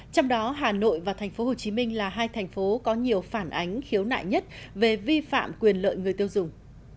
trong đó hà nội và tp hcm là hai thành phố có nhiều phản ánh khiếu nại nhất về vi phạm quyền lợi người tiêu dùng